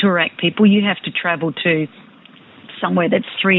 bahagia untuk berjalan ke tempat lain